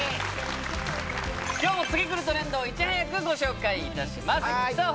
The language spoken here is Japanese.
今日も次くるトレンドをいち早くご紹介いたしますさあ